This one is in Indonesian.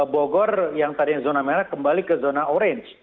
bogor yang tadinya zona merah kembali ke zona orange